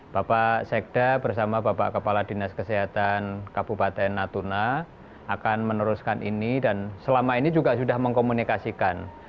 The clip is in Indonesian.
bapak sekda bersama bapak kepala dinas kesehatan kabupaten natuna akan meneruskan ini dan selama ini juga sudah mengkomunikasikan